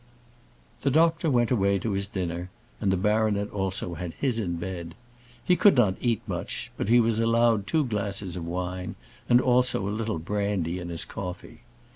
The doctor went away to his dinner, and the baronet also had his in bed. He could not eat much, but he was allowed two glasses of wine, and also a little brandy in his coffee.